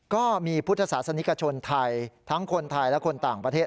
ก็มีพุทธศาสนิกชนไทยทั้งคนไทยและคนต่างประเทศ